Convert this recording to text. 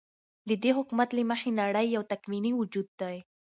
ددي حكومت له مخې نړۍ يو تكويني وجود دى ،